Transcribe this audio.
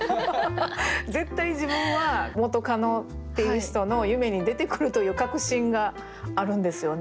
絶対自分は元カノっていう人の夢に出てくるという確信があるんですよね